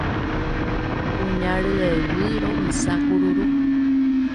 Kuña ryeguy ro'ysã kururu